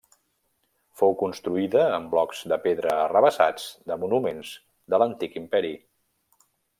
Fou construïda amb blocs de pedra arrabassats de monuments de l'Antic Imperi.